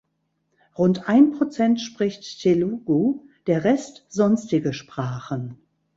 Rund ein Prozent spricht Telugu, der Rest sonstige Sprachen.